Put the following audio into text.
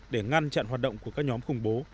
để ngăn chặn hoạt động của các nhóm khủng bố